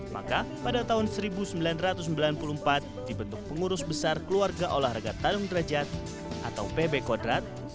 maka pada tahun seribu sembilan ratus sembilan puluh empat dibentuk pengurus besar keluarga olahraga tanam derajat atau pb kodrat